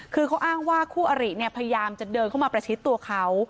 คือเขาอ้างว่าคู่อริเนี่ยพยายามจะเดินเข้ามาประชิดตัวเขา